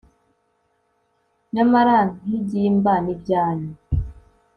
Nyamara nkigimba nibyanyu